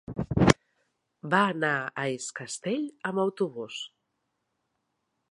Va anar a Es Castell amb autobús.